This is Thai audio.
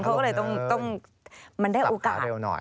เขาก็เลยต้องมันได้โอกาส